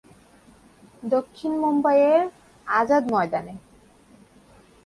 দক্ষিণ মুম্বাইয়ের আজাদ ময়দানে।